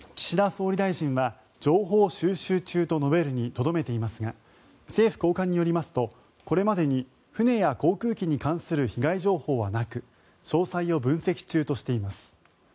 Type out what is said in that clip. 岸田総理大臣は情報収集中と述べるにとどめていますが政府高官によりますとこれまでに船や航空機に関する被害情報はなく詳細を分析中としています。